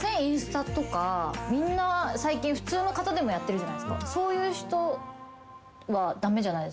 インスタとかみんな最近普通の方でもやってるじゃないですか。